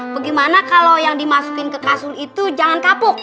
bagaimana kalau yang dimasukin ke kasur itu jangan kapuk